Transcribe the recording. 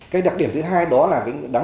cái đặc điểm thứ hai đó là